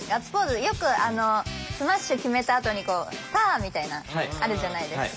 よくあのスマッシュ決めたあとに「サッ！」みたいなあるじゃないですか。